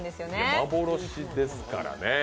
幻ですからね。